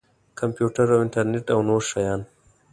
کمپیوټر او انټرنټ او نور شیان.